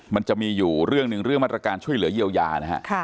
มันจะมีอยู่เรื่องหนึ่งเรื่องมาตรการช่วยเหลือเยียวยานะฮะ